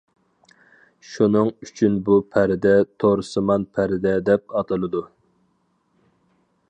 شۇنىڭ ئۈچۈن بۇ پەردە تورسىمان پەردە دەپ ئاتىلىدۇ.